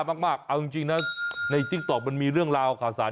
มากเอาจริงนะในติ๊กต๊อกมันมีเรื่องราวข่าวสาร